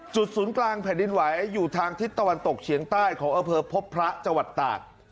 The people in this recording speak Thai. ศูนย์กลางแผ่นดินไหวอยู่ทางทิศตะวันตกเฉียงใต้ของอำเภอพบพระจังหวัดตาก